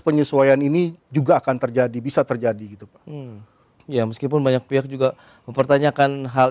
penyesuaian ini juga akan terjadi bisa terjadi gitu pak ya meskipun banyak pihak juga mempertanyakan hal